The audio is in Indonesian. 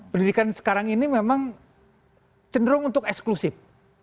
pendidikan sekarang ini memang cenderung untuk eksklusif